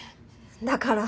だから！